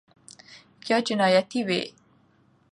یا جنیاتي وي